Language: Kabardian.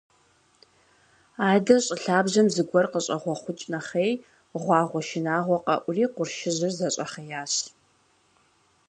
Адэ щӏы лъабжьэм зыгуэр къыщӏэгъуэхъукӏ нэхъей, гъуагъуэ шынагъуэ къэӏури, къуршыжьыр зэщӏэхъеящ.